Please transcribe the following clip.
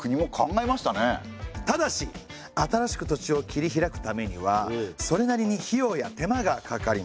ただし新しく土地を切り開くためにはそれなりに費用や手間がかかります。